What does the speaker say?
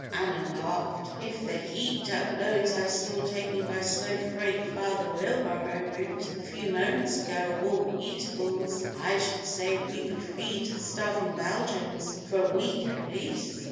Anna laughed. "If the heaped up loads I saw taken by slow freight via the wheel barrow route a few moments ago are all eatables, I should say we could feed the starving Belgians for a week, at least!"